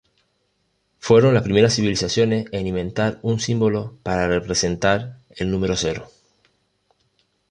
Fueron las primeras civilizaciones en inventar un símbolo para representar el número cero.